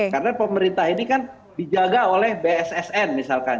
karena pemerintah ini kan dijaga oleh bssn misalkan